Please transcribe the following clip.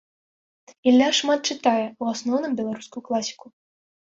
Ілля шмат чытае, у асноўным беларускую класіку.